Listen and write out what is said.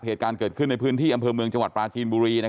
เหตุการณ์เกิดขึ้นในพื้นที่อำเภอเมืองจังหวัดปลาจีนบุรี